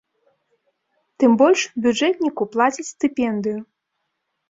Тым больш, бюджэтніку плацяць стыпендыю.